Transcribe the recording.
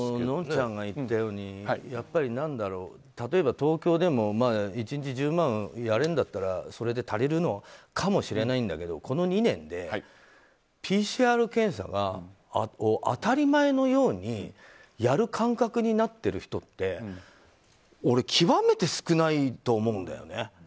のんちゃんが言ったように例えば東京でも１日１０万やれるんだったらそれで足りるんだと思うんだけどこの２年でＰＣＲ検査は当たり前のようにやる感覚になってる人って俺、極めて少ないと思うんだよね。